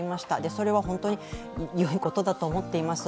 それは本当によいことだと思っています。